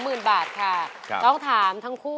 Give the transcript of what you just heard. อันด้วยอินโทรเพลงค่ะ